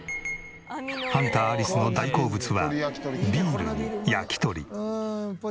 ハンターアリスの大好物はビールに焼き鳥。